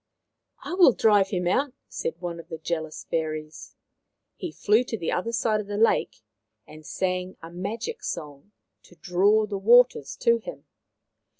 " I will drive him out," said one of the jealous fairies. He flew to the other side of the lake and sang a magic song to draw the waters to him.